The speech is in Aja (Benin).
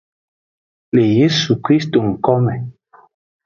Le yesu krist ngkome.